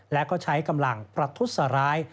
และก็ใช้กำลังประทุษร้าย